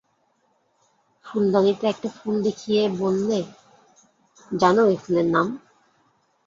ফুলদানিতে একটা ফুল দেখিয়ে বললে, জান এ ফুলের নাম?